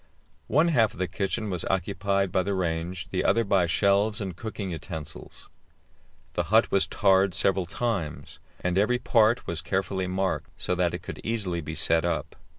One half of the kitchen was occupied by the range, the other by shelves and cooking utensils. The hut was tarred several times, and every part was carefully marked, so that it could easily be set up.